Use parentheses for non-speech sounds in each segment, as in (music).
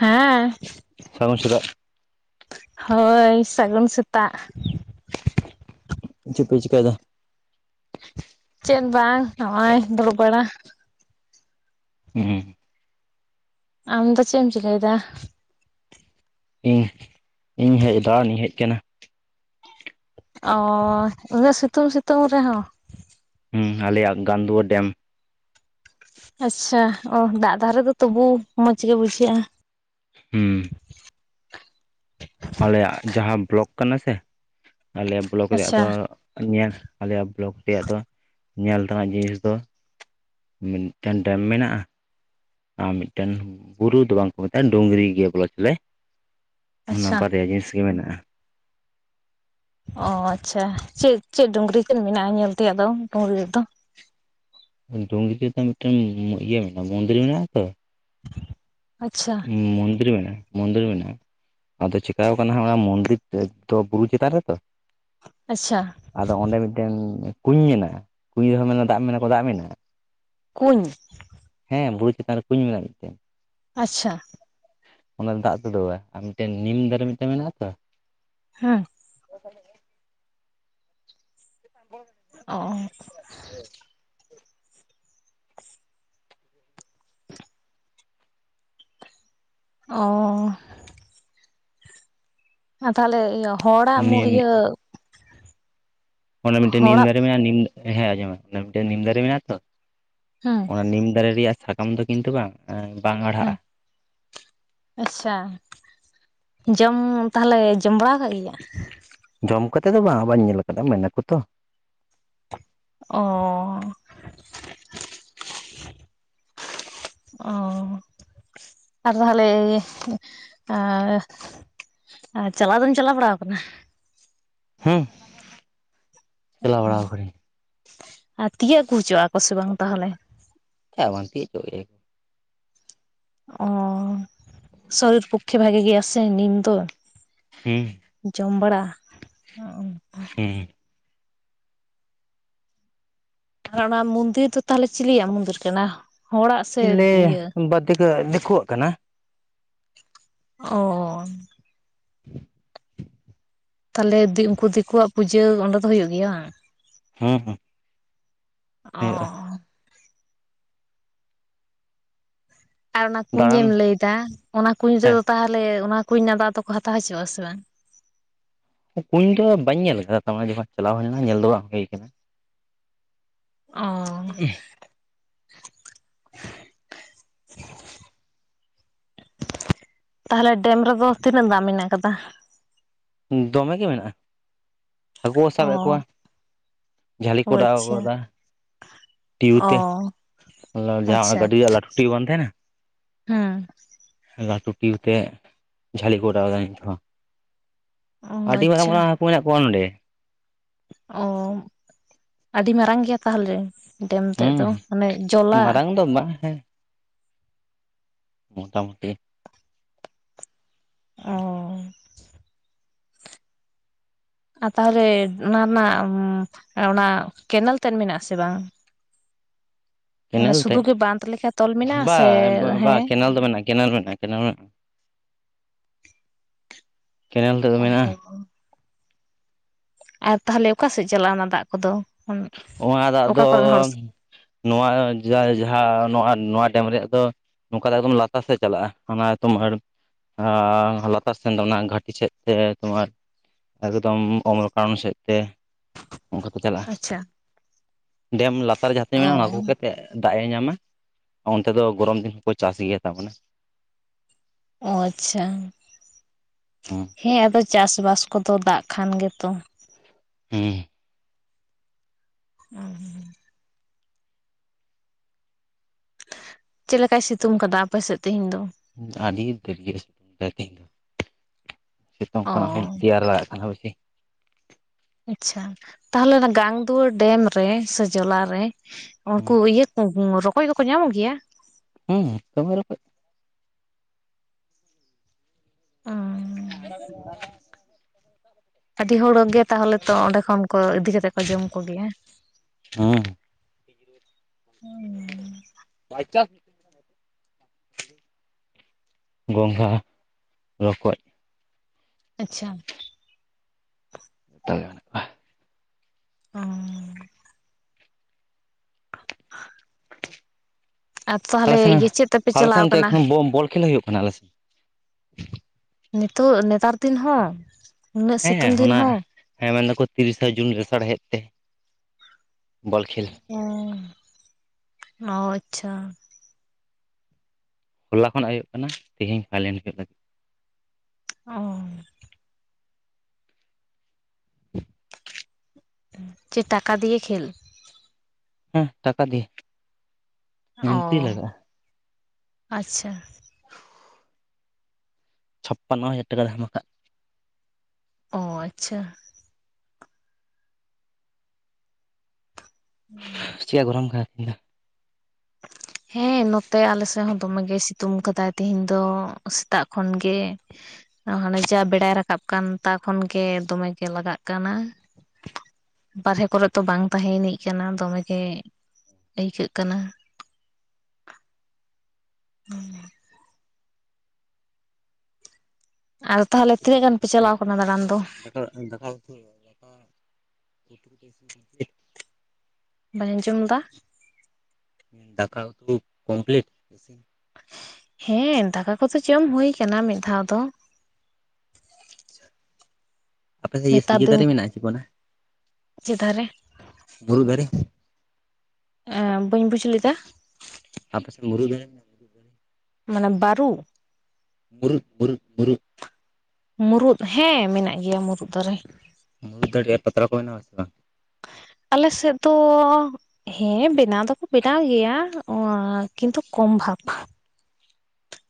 ᱦᱮᱸ᱾ ᱥᱟᱹᱜᱩᱱ ᱥᱮᱛᱟᱜ᱾ ᱦᱳᱭ ᱥᱟᱹᱜᱩᱱ ᱥᱮᱛᱟᱜ᱾ ᱪᱤᱜ ᱯᱮ ᱪᱤᱠᱟᱭ ᱫᱟ? ᱪᱮᱫ ᱵᱟᱝ ᱱᱚᱜᱼᱚᱭ ᱫᱩᱲᱩᱵ ᱵᱟᱲᱟ᱾ ᱦᱩᱸ᱾ ᱟᱢ ᱫᱚ ᱪᱮᱜ ᱮᱢ ᱪᱤᱠᱟᱹᱭ ᱫᱟ? ᱤᱧ ᱤᱧ ᱦᱮᱡ ᱫᱟᱲᱟᱱᱤᱧ ᱦᱮᱡ ᱠᱟᱱᱟ᱾ ᱚᱻ ᱤᱱᱟᱹᱜ ᱥᱤᱛᱩᱝ ᱥᱤᱛᱩᱝ ᱨᱮᱦᱚᱸ᱾ ᱦᱩᱸ ᱟᱞᱮᱭᱟᱜ ᱜᱟᱱᱫᱩᱣᱟᱨ ᱰᱮᱢ᱾ ᱟᱪᱪᱷᱟ ᱚ ᱫᱟᱜ ᱫᱷᱟᱨᱮ ᱨᱮ ᱛᱚᱵᱮ ᱢᱚᱸᱡᱽ ᱜᱮ ᱵᱩᱡᱷᱟᱹᱜᱼᱟ᱾ ᱦᱩᱸ ᱾ ᱟᱞᱮᱭᱟᱜ ᱡᱟᱦᱟᱸ ᱵᱞᱚᱠ ᱠᱟᱱᱟ ᱥᱮ ᱟᱞᱮᱭᱟᱜ ᱵᱞᱚᱠ ᱨᱮᱭᱟᱜ ᱟᱪᱪᱷᱟ ᱫᱚ ᱧᱮᱞ ᱟᱞᱮᱭᱟᱜ ᱵᱞᱚᱠ ᱨᱮᱭᱟᱜ ᱫᱚ ᱧᱮᱞ ᱛᱮᱱᱟᱜ ᱡᱤᱱᱤᱥ ᱫᱚ ᱢᱤᱫᱴᱮᱱ ᱰᱮᱢ ᱢᱮᱱᱟᱜᱼᱟ᱾ ᱟᱨ ᱢᱤᱫᱴᱮᱱ ᱵᱩᱨᱩ ᱫᱚ ᱵᱟᱝ ᱠᱚ ᱢᱮᱛᱟᱜᱼᱟ ᱰᱩᱝᱨᱤ ᱜᱮ ᱵᱚᱞᱟ ᱪᱚᱞᱮ᱾ ᱚᱱᱟ ᱟᱪᱪᱷᱟ ᱵᱟᱨᱭᱟ ᱡᱤᱱᱤᱥ ᱜᱮ ᱢᱮᱱᱟᱜᱼᱟ᱾ ᱚ ᱟᱪᱪᱷᱟ, ᱪᱮᱜ ᱪᱮᱜ ᱰᱩᱝᱨᱤ ᱠᱤᱱ ᱢᱮᱱᱟᱜᱼᱟ ᱧᱮᱞ ᱛᱮᱭᱟᱜ ᱫᱚ ᱰᱩᱝᱨᱤ ᱨᱮ ᱫᱚ? ᱰᱩᱝᱨᱤ ᱨᱮᱫᱚ ᱢᱤᱫᱴᱮᱱ ᱤᱭᱟᱹ ᱢᱮᱱᱟᱜᱼᱟ ᱢᱚᱱᱫᱤᱨ ᱢᱮᱱᱟᱜᱼᱟ ᱛᱚ ᱟᱪᱪᱷᱟ ᱢᱚᱱᱫᱤᱨ ᱢᱮᱱᱟᱜᱼᱟ᱾ ᱢᱚᱱᱫᱤᱨ ᱢᱮᱱᱟᱜᱼᱟ, ᱟᱫᱚ ᱪᱮᱠᱟᱣ ᱠᱟᱱᱟ ᱦᱟᱸᱜ ᱚᱱᱟ ᱢᱚᱱᱫᱤᱨ ᱫᱚ ᱵᱩᱨᱩ ᱪᱮᱛᱟᱱ ᱨᱮᱛᱚ᱾ ᱟᱪᱪᱷᱟ᱾ ᱟᱫᱚ ᱚᱸᱰᱮ ᱢᱤᱫᱴᱮᱱ ᱠᱩᱧ ᱢᱮᱱᱟᱜ-ᱟ ᱠᱩᱸᱧ ᱨᱮᱦᱚᱸ ᱢᱮᱱᱟ ᱫᱟᱜ ᱢᱮ ᱠᱚ ᱫᱟᱜ ᱢᱮᱱᱟᱜ-ᱟ ᱠᱩᱧ ᱦᱮᱸ ᱵᱩᱨᱩ ᱪᱮᱛᱟᱱ ᱨᱮ ᱠᱩᱸᱧ ᱢᱮᱱᱟᱜ-ᱟ ᱢᱤᱫᱴᱮᱱ ᱟᱪᱪᱷᱟ ᱚᱱᱟ ᱫᱟᱜ ᱛᱩ ᱫᱩᱲᱟ ᱟᱨ ᱢᱤᱫᱴᱮᱱ ᱱᱤᱢ ᱫᱟᱨᱮ ᱢᱤᱫᱴᱮᱱ ᱢᱮᱱᱟᱜ-ᱟ ᱛᱚ ᱦᱮᱸ ᱵᱷᱚᱵ ᱦᱚ-ᱚᱻ ᱦᱮᱸ ᱚᱻ ᱟᱨ ᱛᱟᱦᱚᱞᱮ ᱤᱭᱟᱹ ᱦᱚᱲᱟᱜ ᱢᱚ ᱱᱤᱢ ᱤᱭᱟᱹ ᱚᱱᱟ ᱢᱤᱫᱴᱮᱱ ᱱᱤᱢ ᱦᱚᱲᱟᱜ ᱫᱟᱨᱮ ᱢᱮᱱᱟᱜᱼᱟ ᱱᱤᱢ ᱦᱮᱸ ᱟᱸᱡᱚᱢ ᱢᱮ ᱢᱤᱫᱴᱮᱱ ᱱᱤᱢ ᱫᱟᱨᱮ ᱢᱮᱱᱟᱜᱼᱟ ᱛᱚ, ᱦᱮᱸ ᱚᱱᱟ ᱱᱤᱢ ᱫᱟᱨᱮ ᱨᱮᱭᱟᱜ ᱥᱟᱠᱟᱢ ᱫᱚ ᱠᱤᱱᱛᱩ ᱵᱟᱝ ᱵᱟᱝ ᱦᱟᱲᱦᱟᱜ-ᱟ ᱦᱮᱸ ᱟᱪᱪᱷᱟ ᱡᱚᱢ ᱛᱟᱦᱞᱮ ᱡᱚᱢ ᱵᱟᱲᱟ ᱠᱟᱜ ᱜᱮᱭᱟ ᱡᱚᱢ ᱠᱟᱛᱮ ᱫᱚ ᱵᱟᱝ ᱟᱵᱟᱨ ᱧᱮᱞ ᱟᱠᱟᱫᱟ ᱢᱮᱱᱟᱠᱚ ᱛᱚ ᱚᱻ (unintelligible) (unintelligible) ᱚᱻ ᱟᱨ ᱛᱟᱦᱚᱞᱮ ᱚᱻ.... ᱟᱨ ᱪᱟᱞᱟᱣ ᱫᱚᱧ ᱪᱟᱞᱟᱣ ᱵᱟᱲᱟ ᱠᱟᱱᱟ ᱦᱩᱸ (unintelligible) ᱟᱨ ᱛᱤᱭᱩᱜ ᱠᱩ ᱦᱚᱪᱚᱜ-ᱟ ᱠᱚ ᱥᱮ ᱵᱟᱝ ᱛᱟᱦᱚᱞᱮ ᱪᱟ ᱵᱟᱝ ᱛᱤᱭᱟᱜ ᱦᱚᱪᱚ ᱟᱜ ᱜᱮᱭᱟ ᱠᱚ ᱚ ᱥᱚᱨᱤᱨ ᱯᱚᱠᱷᱮ ᱵᱷᱟᱜᱮ ᱜᱮᱭᱟᱥᱮ ᱱᱤᱢ ᱫᱚ ᱦᱮᱸ ᱡᱚᱢ ᱵᱟᱲᱟᱜ (unintelligible) ᱦᱮᱸ ᱟᱨ ᱚᱱᱟ ᱢᱚᱱᱫᱤᱨ ᱫᱚ ᱛᱟᱦᱚᱞᱮ ᱪᱤᱞᱤᱭᱭᱟᱜ ᱢᱚᱱᱫᱤᱨ ᱠᱟᱱᱟ ᱦᱚᱲᱟᱜ ᱥᱮ ᱤᱭᱟᱹ ᱛᱮᱠᱚ ᱫᱮᱠᱷᱩᱣᱟᱜ ᱠᱟᱱᱟ ᱚᱻ (inaudible) ᱛᱟᱦᱚᱞᱮ ᱩᱱᱠᱩ ᱫᱤᱠᱩᱣᱟᱜ ᱯᱩᱡᱟᱹ ᱚᱱᱰᱮ ᱫᱚ ᱦᱩᱭᱩᱜ ᱜᱮᱭᱟ ᱵᱟᱝ? ᱦᱮᱸ ᱦᱮᱸ ᱚ ᱟᱨ ᱚᱱᱟ ᱠᱩᱧ ᱫᱟᱬᱟᱱ ᱮᱢ ᱞᱟᱹᱭᱫᱟ, ᱚᱱᱟ ᱠᱩᱧ ᱦᱮᱸ ᱨᱮᱫᱚ ᱛᱟᱦᱚᱞᱮ ᱚᱱᱟ ᱠᱩᱧ ᱨᱮᱱᱟᱜ ᱫᱟᱜ ᱫᱚᱠᱚ ᱦᱟᱛᱟᱣ ᱦᱚᱪᱚᱣᱟᱜ ᱥᱮ ᱵᱟᱝ? ᱠᱩᱧ ᱫᱚ ᱵᱟᱹᱧ ᱧᱮᱞ ᱟᱠᱟᱫᱟ (unintelligible) ᱪᱟᱞᱟᱣ ᱦᱩᱭ ᱞᱮᱱᱟ ᱧᱮᱞ ᱫᱚ ᱵᱟᱝ ᱦᱩᱭ ᱟᱠᱟᱱᱟ᱾ ᱚ ᱛᱟᱦᱚᱞᱮ ᱰᱮᱢ ᱨᱮᱫᱚ ᱛᱤᱱᱟᱹᱜ ᱫᱟᱜ ᱢᱮᱱᱟᱜ ᱟᱠᱟᱫᱟ ᱫᱚᱢᱮ ᱜᱮ ᱢᱮᱱᱟᱜ-ᱟ ᱦᱟᱹᱠᱩ ᱠᱚ ᱚ ᱥᱟᱵᱮᱫ ᱠᱚᱣᱟ, ᱡᱷᱟᱹᱞᱤ ᱠᱚ ᱮᱰᱟᱣ ᱟᱪᱪᱷᱟ ᱟᱠᱟᱫᱟ ᱴᱤᱭᱩ ᱛᱮ ᱚ ᱡᱟᱦᱟᱸ ᱟᱪᱪᱷᱟ ᱜᱟᱹᱰᱤ ᱨᱮᱭᱟᱜ ᱞᱟᱹᱴᱤ ᱵᱟᱝ ᱛᱟᱦᱮᱱᱟ ᱦᱮᱸ ᱞᱟᱹᱴᱩ ᱴᱩᱴᱤᱛᱮ ᱡᱷᱟᱹᱞᱤ ᱠᱚ ᱚᱰᱟᱣ ᱮᱫᱟ ᱱᱤᱛ ᱦᱚᱸ ᱚ ᱟᱹᱰᱤ ᱢᱟᱨᱟᱝ ᱟᱪᱪᱷᱟ ᱢᱟᱨᱟᱝ ᱦᱟᱹᱠᱩ ᱢᱮᱱᱟᱜ ᱠᱚᱣᱟ ᱱᱚᱰᱮ ᱚ ᱟᱹᱰᱤ ᱢᱟᱨᱟᱝ ᱜᱮᱭᱟ ᱛᱟᱦᱚᱞᱮ ᱰᱮᱢ ᱛᱮᱫ ᱦᱩᱸ ᱫᱚ ᱟᱱᱮ ᱡᱚᱞᱟ ᱢᱟᱨᱟᱝ ᱫᱚ ᱵᱟᱝ ᱦᱮᱸ ᱢᱚᱴᱟᱢᱩᱴᱤ ᱚ ᱟᱨ ᱛᱟᱦᱚᱞᱮ ᱚᱱᱟ ᱨᱮᱱᱟᱜ ᱚᱱᱟ ᱠᱮᱱᱮᱞ ᱛᱮᱫ ᱢᱮᱱᱟᱜ-ᱟ ᱥᱮ ᱵᱟᱝ? ᱢᱟᱱᱮ ᱠᱮᱱᱮᱞ ᱛᱮ ᱥᱩᱫᱷᱩ ᱜᱮ ᱵᱟᱸᱫᱷ ᱞᱮᱠᱟ ᱛᱚᱞ ᱢᱮᱱᱟᱜᱼᱟ ᱵᱟ ᱥᱮ ᱵᱟ ᱦᱮᱸ ᱠᱮᱱᱮᱞ ᱫᱚ ᱢᱮᱱᱟᱜ ᱜᱮ᱾ ᱠᱮᱱᱮᱞ ᱢᱮᱱᱟᱜ-ᱟ ᱠᱮᱱᱮᱞ ᱢᱮᱱᱟᱜ-ᱟ ᱠᱮᱱᱮᱞ ᱛᱚ ᱚ ᱢᱮᱱᱟᱜ-ᱟ ᱟᱨ ᱛᱟᱦᱚᱞᱮ ᱚᱠᱟ ᱥᱮᱫ ᱪᱟᱞᱟᱜᱼᱟ ᱚᱱᱟ ᱫᱟᱜ ᱠᱚᱫᱚ ᱚᱱᱟ ᱫᱟᱜ ᱫᱚ ᱚᱠᱟ ᱠᱚᱨᱮᱱ ᱦᱚᱲ ᱱᱚᱣᱟ ᱡᱟᱦᱟᱸ ᱱᱚᱣᱟ ᱱᱚᱣᱟ ᱰᱮᱢ ᱨᱮᱭᱟᱜ ᱫᱚ ᱱᱚᱝᱠᱟ ᱫᱚ ᱮᱠᱫᱚᱢ ᱞᱟᱛᱟᱨ ᱥᱮᱫ ᱪᱟᱞᱟᱜᱼᱟ ᱚᱱᱟ ᱛᱚᱢᱟᱨ ᱞᱟᱛᱟᱨ ᱥᱮᱱ ᱫᱚ ᱚᱱᱟ ᱜᱷᱟᱴᱤ ᱥᱮᱫ ᱛᱮ ᱛᱳᱢᱟᱨ ᱮᱠᱫᱚᱢ ᱚᱢᱚᱨᱠᱟᱱᱚᱱ ᱥᱮᱫᱛᱮ ᱚᱱᱠᱟᱛᱮ ᱪᱟᱞᱟᱜᱼᱟ᱾ ᱟᱪᱪᱷᱟ ᱰᱮᱢ ᱞᱟᱛᱟᱨ ᱨᱮ ᱡᱟᱦᱟᱸ ᱛᱤᱱᱟᱹᱜ ᱚ ᱢᱮᱱᱟᱜᱼᱟ ᱚᱱᱟ ᱟᱜᱩ ᱠᱟᱛᱮᱫ ᱫᱟᱜ ᱮ ᱧᱟᱢᱟ ᱚᱱᱛᱮ ᱫᱚ ᱜᱚᱨᱚᱢ ᱫᱤᱱ ᱦᱚᱸᱠᱚ ᱪᱟᱥ ᱜᱮᱭᱟ ᱛᱟᱵᱚᱞᱮ ᱚ ᱟᱪᱪᱷᱟ᱾ ᱦᱮᱸ ᱟᱫᱚ ᱪᱟᱥ ᱵᱟᱥ ᱠᱚᱫᱚ ᱫᱟᱜ ᱠᱷᱟᱱ ᱜᱮᱛᱚ ᱦᱮᱸ ᱦᱩᱸ ᱦᱩᱸ ᱪᱮᱫ ᱞᱮᱠᱟᱭ ᱥᱤᱛᱩᱝ ᱟᱠᱟᱫᱟ ᱟᱯᱮ ᱥᱮᱫ ᱛᱮᱦᱮᱧ ᱫᱚ ᱟᱹᱰᱤ ᱫᱟᱹᱨᱭᱟᱹ ᱥᱤᱛᱩᱝ ᱛᱮᱦᱤᱧ ᱫᱚ ᱥᱤᱛᱩᱝ ᱠᱷᱚᱱᱟᱜ ᱚ ᱦᱚᱸ ᱫᱮᱭᱟᱨᱮ ᱞᱟᱜᱟᱜ ᱠᱟᱱᱟ ᱵᱮᱥᱤ᱾ ᱟᱪᱪᱷᱟ ᱛᱟᱦᱚᱞᱮ ᱚᱱᱟ ᱜᱟᱝ ᱫᱩᱣᱟᱹᱨ ᱰᱮᱢ ᱨᱮ ᱥᱮ ᱡᱚᱞᱟᱨᱮ ᱩᱱᱠᱩ ᱦᱮᱸ ᱤᱭᱟᱹ ᱠᱚ ᱨᱚᱠᱚᱡ ᱫᱚᱠᱚ ᱧᱟᱢᱚᱜ ᱜᱮᱭᱟ ᱦᱮᱸ ᱫᱚᱢᱮ ᱨᱚᱠᱚᱡ ᱚ (inaudible) ᱟᱹᱰᱤ ᱦᱚᱲ ᱜᱮ ᱛᱟᱦᱚᱞᱮ ᱛᱚ᱾ᱚᱸᱰᱮ ᱠᱷᱚᱱ ᱠᱚ ᱤᱫᱤ ᱠᱟᱛᱮᱫ ᱠᱚ ᱡᱚᱢ ᱠᱚᱜᱮᱭᱟ᱾ ᱦᱮᱸ (unintelligible) ᱵᱟᱭ ᱪᱟᱱᱥᱚ ᱜᱚᱸᱜᱷᱟ ᱨᱚᱠᱚᱡ ᱟᱪᱪᱷᱟ ᱛᱟᱭᱟ ᱚ (inaudible) ᱟᱨ ᱟᱞᱮ ᱛᱟᱦᱚᱞᱮ ᱥᱮᱱ ᱤᱭᱟᱹ ᱪᱮᱫ ᱛᱮᱯᱮ ᱟᱞᱮ ᱪᱟᱞᱟᱣ ᱥᱮᱱ (unintelligible) ᱠᱟᱱᱟ ᱮᱠᱷᱚᱱ ᱵᱚᱞ ᱠᱷᱮᱞ ᱦᱩᱭᱩᱜ ᱠᱟᱱᱟ ᱟᱞᱮ ᱥᱮᱫ ᱾ ᱱᱤᱛᱚᱜ ᱱᱮᱛᱟᱨ ᱫᱤᱱ ᱦᱚᱸ ᱩᱱᱟᱹᱜ ᱦᱮᱸ ᱥᱤᱛᱩᱝ ᱫᱤᱱ ᱚᱱᱟ ᱦᱚᱸ ᱦᱮᱸ ᱢᱮᱱᱫᱟᱠᱚ ᱛᱤᱨᱤᱥᱟ ᱡᱩᱱ ᱞᱮᱥᱟᱲᱦᱮᱫ ᱛᱮ ᱵᱚᱞ ᱠᱷᱮᱞ᱾ ᱚᱻ ᱚ ᱟᱪᱪᱷᱟ᱾ ᱦᱚᱞᱟ ᱠᱷᱚᱱᱟᱜ ᱦᱩᱭᱩᱜ ᱠᱟᱱᱟ ᱛᱮᱦᱤᱧ ᱯᱷᱟᱭᱞᱮᱱᱰ ᱦᱩᱭᱩᱜ ᱞᱟᱹᱜᱤᱫ᱾ ᱚᱻ ᱪᱮᱫ ᱴᱟᱠᱟ ᱫᱤᱭᱮ ᱠᱷᱮᱞ? ᱦᱮᱸ ᱴᱟᱠᱟ ᱫᱤᱭᱮ᱾ ᱮᱱᱴᱨᱤ ᱚᱸᱻ ᱞᱟᱜᱟᱜᱼᱟ ᱟᱪᱪᱷᱟ ᱪᱷᱟᱯᱯᱟᱱᱱᱚ ᱦᱟᱡᱟᱨ ᱴᱟᱠᱟ ᱫᱷᱟᱢᱟᱠᱟ᱾ ᱚ ᱟᱪᱪᱷᱟ᱾ ᱪᱮᱫ ᱭᱟ ᱜᱚᱨᱚᱢ ᱠᱟᱱᱟ ᱛᱮᱦᱤᱧ ᱫᱚ (inaudible) ᱦᱮᱸ ᱱᱚᱛᱮ ᱟᱞᱮ ᱥᱮᱫ ᱦᱚᱸ ᱫᱚᱢᱮ ᱜᱮ ᱥᱤᱛᱩᱝ ᱠᱟᱫᱟᱭ ᱛᱮᱦᱮᱧ ᱫᱚ ᱥᱮᱛᱟᱜ ᱠᱷᱚᱱ ᱜᱮ ᱦᱟᱱᱮ ᱡᱟ ᱵᱮᱲᱟᱭ ᱨᱟᱠᱟᱵ ᱠᱟᱱ ᱛᱟ ᱠᱷᱚᱱ ᱜᱮ ᱫᱚᱢᱮ ᱜᱮ ᱞᱟᱜᱟᱜ ᱠᱟᱱᱟ ᱵᱟᱨᱦᱮ ᱠᱚᱨᱮ ᱫᱚ ᱵᱟᱝ ᱛᱟᱦᱮᱭᱟᱱᱤᱡ ᱠᱟᱱᱟ ᱫᱚᱢᱮᱜ ᱜᱮ ᱟᱹᱭᱠᱟᱹᱜ ᱠᱟᱱᱟ᱾ ᱦᱩᱸ (unintelligible) ᱟᱨ ᱛᱟᱦᱚᱞᱮ ᱛᱤᱱᱟᱹᱜ ᱜᱟᱱ ᱯᱮ ᱪᱟᱞᱟᱣ ᱠᱟᱱᱟ ᱫᱟᱲᱟᱱ ᱫᱚ? ᱫᱟᱠᱟ ᱩᱛᱩ ᱵᱟᱹᱧ ᱟᱸᱡᱚᱢ ᱫᱟ ᱫᱟᱠᱟ ᱩᱛᱩ ᱠᱚᱢᱯᱤᱞᱤᱴ? ᱦᱮᱸ ᱫᱟᱠᱟ ᱠᱚᱫᱚ ᱡᱚᱢ ᱦᱩᱭ ᱠᱟᱱᱟ ᱢᱤᱫ ᱫᱷᱟᱣ ᱫᱚ ᱟᱯᱮ ᱥᱮᱫ ᱱᱮᱛᱟᱨ ᱤᱭᱟᱹ ᱫᱤᱱ ᱫᱟᱨᱮ ᱢᱮᱱᱟᱜᱼᱟ ᱪᱮᱛᱟᱱ ᱨᱮ (unintelligible) ᱢᱩᱨᱩᱜ ᱫᱟᱨᱮ ᱮᱸ ᱵᱟᱹᱧ ᱵᱩᱡᱷ ᱞᱮᱫᱟ ᱟᱯᱮᱥᱮᱫ ᱢᱩᱨᱩ ᱫᱟᱨᱮ (unintelligible) (inaudible) ᱢᱟᱱᱮ ᱵᱟᱨᱩ ᱢᱩᱨᱩᱫ ᱢᱩᱨᱩᱫ ᱢᱩᱨᱩᱫ ᱢᱩᱨᱩᱫ ᱦᱮᱸ ᱢᱮᱱᱟᱜ ᱜᱮᱭᱟ ᱢᱩᱨᱩᱫ ᱫᱟᱨᱮ᱾ (unintelligible) ᱟᱨ ᱯᱟᱛᱲᱟ ᱠᱚ ᱵᱮᱱᱟᱣ ᱟᱥᱮ ᱵᱟᱝ? ᱟᱞᱮ ᱥᱮᱫ ᱫᱚ ᱦᱮᱸ ᱵᱮᱱᱟᱣ ᱫᱚᱠᱚ ᱵᱮᱱᱟᱣ ᱜᱮᱭᱟ (unintelligible) ᱠᱤᱱᱛᱩ ᱠᱚᱢ ᱵᱷᱟᱵᱷ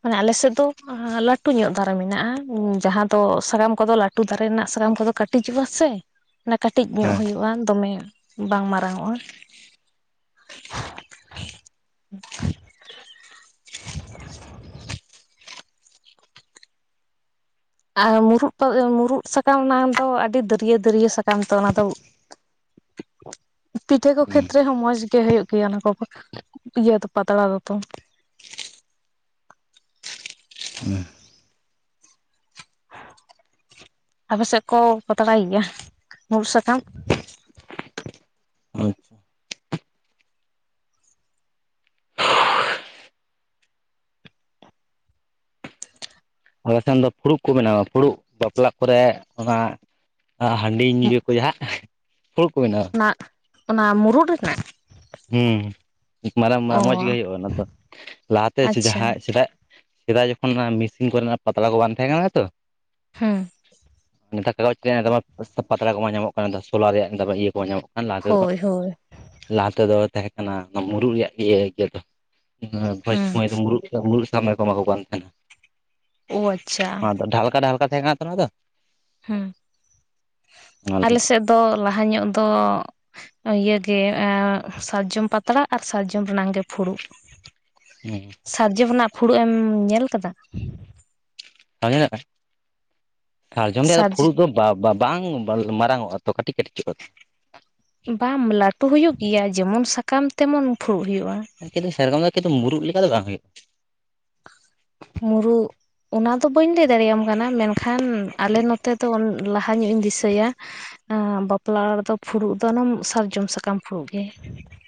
ᱢᱟᱱᱮ ᱟᱞᱮᱥᱮᱫ ᱫᱚ ᱞᱟᱴᱩ ᱧᱚᱜ ᱫᱟᱨᱮ ᱢᱮᱱᱟᱜᱼᱟ ᱡᱟᱦᱟᱸ ᱫᱚ ᱥᱟᱠᱟᱢ ᱠᱚᱫᱚ ᱞᱟ ᱴᱩ ᱫᱟᱨᱮ ᱨᱮᱱᱟᱜ ᱥᱟᱠᱟᱢ ᱠᱚᱫᱚ ᱠᱟᱹᱴᱤᱡᱚᱜᱼᱟ ᱥᱮ ᱚᱱᱟ ᱠᱟᱹᱴᱤᱡ ᱧᱚᱜ ᱦᱩᱭᱩᱜᱼᱟ ᱫᱚᱢᱮ ᱵᱟᱝ ᱢᱟᱨᱟᱝᱚᱜᱼᱟ (inaudible) ᱟᱨ ᱢᱩᱨᱩᱫ ᱢᱩᱨᱩᱫ ᱥᱟᱠᱟᱢ ᱚᱱᱟ ᱫᱚ ᱟᱹᱰᱤ ᱫᱟᱹᱨᱤᱭᱟᱹ ᱫᱟᱹᱨᱤᱭᱟᱹ ᱥᱟᱠᱟᱢ ᱛᱚ ᱚᱱᱟᱫᱚ (inaudible) ᱯᱤᱴᱷᱟᱹ ᱠᱚ ᱦᱮᱸ ᱠᱷᱮᱛᱨᱮ ᱦᱚᱸ ᱢᱚᱸᱡᱽ ᱜᱮ ᱦᱩᱭᱩᱜ ᱜᱮᱭᱟ ᱚᱱᱟ ᱠᱚ ᱤᱭᱟᱹ ᱫᱚ ᱯᱟᱛᱲᱟ ᱫᱚ ᱛᱚ ᱦᱩᱸ (inaudible) ᱟᱯᱮ ᱥᱮᱫ ᱠᱚ ᱯᱟᱛᱟᱲᱟᱭ ᱜᱮᱭᱟ ᱢᱩᱨᱩᱜ ᱥᱟᱠᱟᱢ ᱟᱪᱪᱷᱟ ᱟᱞᱮ ᱥᱮᱱ ᱫᱚ ᱯᱷᱩᱲᱩᱜ ᱠᱚ ᱵᱮᱱᱟᱣᱟ ᱯᱷᱩᱲᱩᱜ ᱵᱟᱯᱞᱟ ᱠᱚᱨᱮ ᱚᱱᱟ ᱟ ᱦᱟᱺᱰᱤ ᱧᱩ ᱡᱚᱠᱷᱚᱡ ᱦᱟᱜ ᱯᱷᱩᱲᱩᱜ ᱠᱚ ᱵᱮᱱᱟᱣᱟ ᱚᱱᱟ ᱚᱱᱟ ᱢᱩᱨᱩᱫ ᱨᱮᱱᱟᱜ ᱦᱮᱸ ᱢᱟᱨᱟᱝ ᱚ ᱢᱟᱨᱟᱝ ᱢᱚᱸᱡᱽ ᱜᱮ ᱦᱩᱭᱩᱜᱼᱟ ᱚᱱᱟ ᱫᱚ᱾ ᱞᱟᱦᱟᱛᱮ ᱥᱮ ᱟᱪᱪᱷᱟ ᱡᱟᱦᱟᱸ ᱥᱮᱫᱟᱭ ᱥᱮᱫᱟᱭ ᱡᱚᱠᱷᱚᱱ ᱚᱱᱟ ᱢᱮᱥᱤᱱ ᱠᱚᱨᱮᱱᱟᱜ ᱯᱟᱛᱲᱟ ᱠᱚ ᱵᱟᱝ ᱛᱟᱦᱮᱸ ᱠᱟᱱᱟ ᱛᱚ ᱦᱩᱸ ᱱᱮᱛᱟᱨ ᱠᱟᱜᱚᱡᱽ ᱨᱮᱭᱟᱜ ᱫᱚᱢᱮ ᱯᱟᱛᱟᱲᱟ ᱠᱚᱢᱟ ᱧᱟᱢᱚᱜ ᱠᱟᱱ ᱫᱚ (unintelligible) ᱨᱮᱭᱟᱜ ᱤᱭᱟᱹ ᱠᱚᱢᱟ ᱧᱟᱢᱚᱜ ᱠᱟᱱᱟ ᱞᱟᱦᱟ ᱛᱮᱫᱚ ᱦᱳᱭ ᱦᱳᱭ ᱞᱟᱦᱟ ᱛᱮᱫᱚ ᱛᱟᱦᱮᱸ ᱠᱟᱱᱟ ᱚᱱᱟ ᱢᱩᱨᱩᱜ ᱨᱮᱭᱟᱜ ᱤᱭᱟᱹ ᱤᱭᱟᱹ ᱫᱚ ᱵᱷᱚᱡᱽ ᱦᱮᱸ ᱥᱩᱢᱚᱭ ᱫᱚ ᱢᱩᱨᱩᱜ ᱢᱩᱨᱩᱠ ᱥᱟᱠᱟᱢ ᱨᱮᱠᱚ ᱮᱢᱟ ᱠᱚ ᱠᱟᱱ ᱛᱟᱦᱮᱱᱟ᱾ ᱚ ᱟᱪᱪᱷᱟ ᱟᱫᱚ ᱰᱷᱟᱞᱠᱟ ᱰᱷᱟᱞᱠᱟ ᱛᱟᱦᱮᱸ ᱠᱟᱱᱟ ᱛᱚ ᱱᱚᱣᱟ ᱫᱚ ᱦᱮᱸ ᱚᱱᱟ ᱟᱞᱮ ᱞᱟᱹᱜᱤᱫ ᱥᱮᱜ ᱫᱚ ᱞᱟᱦᱟ ᱧᱚᱜ ᱫᱚ ᱤᱭᱟᱹᱜᱮ ᱥᱟᱨᱡᱚᱢ ᱯᱟᱛᱲᱟ ᱟᱨ ᱥᱟᱨᱡᱚᱢ ᱨᱮᱱᱟᱝ ᱜᱮ ᱯᱷᱩᱲᱩᱜ᱾ ᱦᱮᱸ᱾ ᱥᱟᱨᱡᱚᱢ ᱨᱮᱱᱟᱜ ᱯᱷᱩᱲᱩᱜ ᱮᱢ ᱧᱮᱞ ᱠᱟᱫᱟ? (unintelligible) ᱥᱟᱨᱡᱚᱢ ᱨᱮᱭᱟᱜ ᱥᱟᱨᱡᱚᱢ ᱨᱮᱭᱟᱜ ᱯᱷᱩᱲᱩᱜ ᱫᱚ ᱵᱟ ᱵᱟᱝ ᱢᱟᱨᱟᱝ ᱚᱜᱼᱟ ᱛᱚ ᱠᱟᱹᱴᱤᱡ ᱠᱟᱹᱴᱤᱡ ᱪᱚᱜᱼᱟ ᱛᱚ, ᱵᱟᱢ ᱞᱟᱹᱴᱩ ᱦᱩᱭᱩᱜ ᱜᱮᱭᱟ, ᱡᱮᱢᱚᱱ ᱥᱟᱠᱟᱢ ᱛᱮᱢᱚᱱ ᱯᱷᱩᱲᱩᱜ ᱦᱩᱭᱩᱜᱼᱟ᱾ ᱠᱤᱱᱛᱩ ᱥᱮᱨᱚᱠᱚᱢ ᱫᱚ ᱠᱤᱱᱛᱩ ᱢᱩᱨᱩᱜ ᱞᱮᱠᱟ ᱫᱚ ᱵᱟᱝ ᱦᱩᱭᱩᱜᱼᱟ᱾ ᱢᱩᱨᱩᱜ, ᱚᱱᱟ ᱫᱚ ᱵᱟᱹᱧ ᱞᱟᱹᱭ ᱫᱟᱲᱮᱭᱟᱢ ᱠᱟᱱᱟ᱾ ᱢᱮᱱᱠᱷᱟᱱ ᱟᱞᱮ ᱱᱚᱛᱮ ᱫᱚ ᱞᱟᱦᱟ ᱧᱚᱜ ᱤᱧ ᱫᱤᱥᱟᱹᱭᱟ᱾ ᱮ ᱵᱟᱯᱞᱟ ᱚᱲᱟᱜ ᱨᱮᱫᱚ ᱯᱷᱩᱲᱩᱜ ᱫᱚ ᱚᱱᱟ ᱥᱟᱨᱡᱚᱢ ᱥᱟᱠᱟᱢ ᱯᱷᱩᱲᱩᱜ ᱜᱮ᱾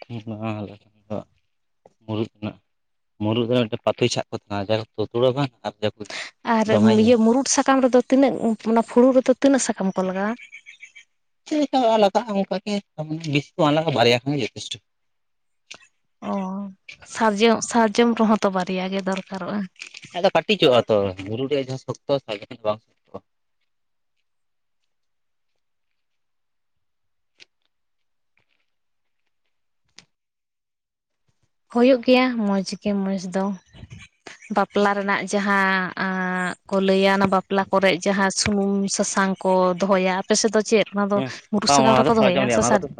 (unintelligible) ᱢᱩᱨᱩᱫ ᱨᱮᱱᱟᱜ ᱢᱩᱨᱩᱫ ᱨᱮ ᱢᱤᱫᱴᱮᱱ ᱯᱟᱛᱳᱭ ᱪᱷᱟᱜ ᱠᱚ ᱛᱟᱦᱮᱱᱟ ᱡᱟ ᱠᱚ ᱛᱩᱛᱩᱲᱟ ᱵᱟᱝ᱾ ᱟᱨ ᱫᱚᱢᱮ ᱤᱭᱟᱹ ᱢᱩᱨᱩᱫᱽ ᱥᱟᱠᱟᱢ ᱨᱮᱫᱚ ᱛᱤᱱᱟᱹᱜ, ᱚᱱᱟ ᱯᱷᱩᱲᱩ ᱨᱮᱫᱚ ᱛᱤᱱᱟᱹᱜ ᱥᱟᱠᱟᱢ ᱠᱚ ᱞᱟᱜᱟᱣᱼᱟ? ᱪᱮᱜ ᱞᱮᱠᱟ ᱞᱟᱜᱟᱜᱼᱟ, ᱚᱱᱠᱟᱜᱮ ᱵᱮᱥᱤ ᱫᱚ ᱵᱟᱝ ᱞᱟᱜᱟᱜᱼᱟ, ᱵᱟᱨᱭᱟ ᱠᱷᱟᱱ ᱜᱮ ᱡᱚᱛᱷᱮᱥᱴᱚ᱾ ᱚᱸ, ᱥᱟᱨᱡᱚᱢ ᱥᱟᱨᱡᱚᱢ ᱨᱮᱦᱚᱸ ᱛᱚ ᱵᱟᱨᱭᱟ ᱜᱮ ᱫᱚᱨᱠᱟᱨᱚᱜᱼᱟ᱾ ᱟᱫᱚ ᱠᱟᱹᱴᱤᱡᱚᱜᱼᱟ ᱛᱚ ᱢᱩᱨᱩᱫᱽ ᱨᱮᱭᱟᱜ ᱡᱟᱦᱟ ᱥᱚᱠᱛᱚ ᱥᱟᱜᱮᱱ ᱵᱟᱝ ᱥᱚᱠᱛᱚᱜᱼᱟ ᱦᱩᱭᱩᱜ ᱜᱮᱭᱟ ᱢᱚᱸᱡᱽ ᱜᱮ ᱢᱚᱸᱡᱽ ᱫᱚ᱾ ᱵᱟᱯᱞᱟ ᱨᱮᱱᱟᱜ ᱡᱟᱦᱟᱸ ᱠᱩ ᱞᱟᱹᱭᱟ, ᱚᱱᱟ ᱵᱟᱯᱞᱟ ᱠᱚᱨᱮᱜ ᱡᱟᱦᱟᱸ ᱥᱩᱱᱩᱢ ᱥᱟᱥᱟᱝ ᱠᱚ ᱫᱚᱦᱚᱭᱟ ᱟᱯᱮ ᱥᱮᱫ ᱫᱚ ᱪᱮᱫ ᱚᱱᱟ ᱫᱚ ᱦᱮᱸ ᱢᱩᱨᱩᱜ ᱵᱟᱝ ᱥᱟᱠᱟᱢ ᱚᱱᱟ ᱫᱚ ᱨᱮᱠᱚ ᱫᱚᱦᱚᱭᱟ ᱨᱮᱭᱟᱜ ᱥᱮ ᱚᱱᱟ ᱠᱚᱫᱚ ᱥᱟᱨᱡᱚᱢ?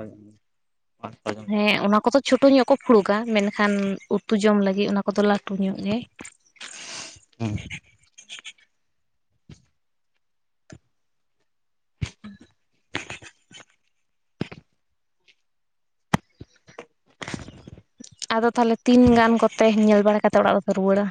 ᱨᱮᱭᱟᱜ ᱦᱮᱸ ᱚᱱᱟ ᱠᱚᱫᱚ ᱪᱷᱳᱴᱳ ᱧᱚᱜ ᱠᱚ ᱯᱷᱩᱲᱩᱠᱟ, ᱢᱮᱱᱠᱷᱟᱱ ᱩᱛᱩ ᱡᱚᱢ ᱞᱟᱹᱜᱤᱫ ᱚᱱᱟ ᱠᱚᱫᱚ ᱞᱟᱹᱴᱩ ᱧᱚᱜ ᱜᱮ᱾ ᱦᱮᱸ᱾ ᱦᱩᱸ᱾ ᱟᱫᱚ ᱛᱟᱦᱚᱞᱮ ᱛᱤᱱᱜᱟᱱ ᱠᱚᱛᱮ ᱧᱮᱞ ᱵᱟᱲᱟ ᱠᱟᱛᱮᱜ ᱚᱲᱟᱜ ᱫᱚᱯᱮ ᱨᱩᱣᱟᱹᱲᱟ?